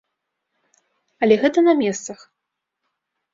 Але гэта на месцах.